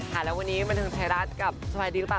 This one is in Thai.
แล้ววันนี้บันทึงไทยรัฐกับสบายดีหรือเปล่า